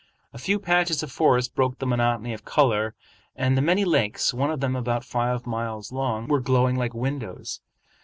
A few patches of forest broke the monotony of color, and the many lakes, one of them about five miles long, were glowing like windows.